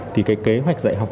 thì kế hoạch dạy học